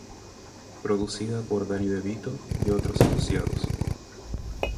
Producida por Danny DeVito y otros asociados.